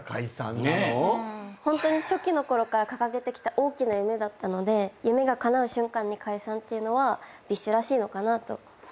初期のころから掲げてきた大きな夢だったので夢がかなう瞬間に解散っていうのはＢｉＳＨらしいのかなと。